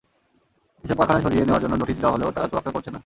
এসব কারখানা সরিয়ে নেওয়ার জন্য নোটিশ দেওয়া হলেও তারা তোয়াক্কা করছে না।